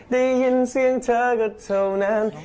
ได้ยินเสียงเธอก็เท่านั้น